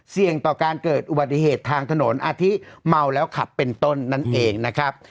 ต่อการเกิดอุบัติเหตุทางถนนอาทิตเมาแล้วขับเป็นต้นนั่นเองนะครับ